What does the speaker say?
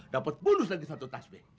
dapat bonus lagi satu tasbih